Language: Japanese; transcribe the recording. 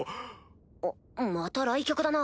あっまた来客だな。